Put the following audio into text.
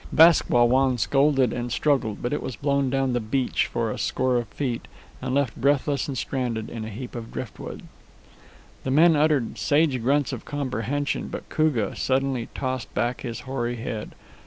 Bask Wah Wan scolded and struggled, but was blown down the breach for a score of feet and left breathless and stranded in a heap of driftwood. The men uttered sage grunts of comprehension, but Koogah suddenly tossed back his hoary head.